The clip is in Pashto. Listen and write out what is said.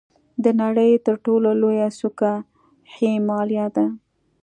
د نړۍ تر ټولو لوړه څوکه هیمالیا ده.